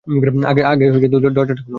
আগে দরজাটা খোল।